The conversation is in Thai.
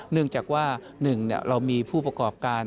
เนื่องจากว่า๑เรามีผู้ประกอบการ